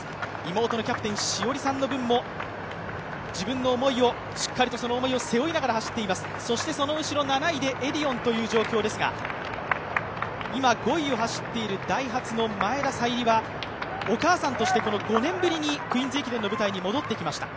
妹のキャプテン・詩織さんの分も自分の思いをしっかりと背負いながらその後ろ７位でエディオンという状況ですが、今５位を走っているダイハツの前田彩里はお母さんとして、５年ぶりにこの舞台に戻ってきました。